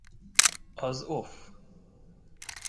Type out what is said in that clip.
Az Off!